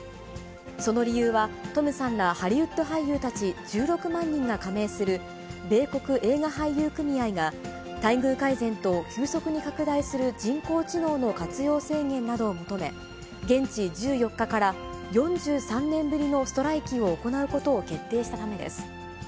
その理由は、トムさんがハリウッド俳優たち１６万人が加盟する、米国映画俳優組合が、待遇改善と急速に拡大する人工知能の活用制限などを求め、現地１４日から４３年ぶりのストライキを行うことを決定したためです。